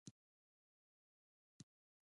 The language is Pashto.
د سپرم د حرکت لپاره کوم ویټامین وکاروم؟